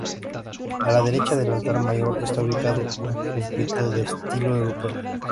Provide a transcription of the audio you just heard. A la derecha del altar mayor, está ubicado un púlpito de estilo europeo.